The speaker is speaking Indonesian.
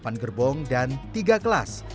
delapan gerbong dan tiga kelas